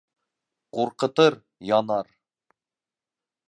Ҡурҡытыр, янар!